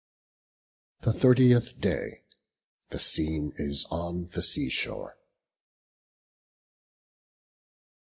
The thirtieth day. The scene is on the sea shore.